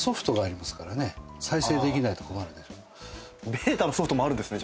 ベータのソフトもあるんですね。